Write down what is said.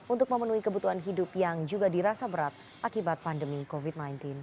untuk memenuhi kebutuhan hidup yang juga dirasa berat akibat pandemi covid sembilan belas